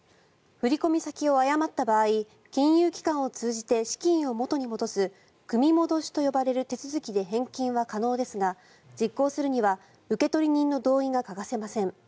振込先を誤った場合金融機関を通じて資金を元に戻す組み戻しと呼ばれる手続きで返金は可能ですが実行するには受取人の同意が欠かせません。